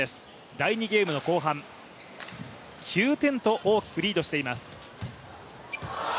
第２ゲームの後半９点と大きくリードしています。